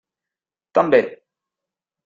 També.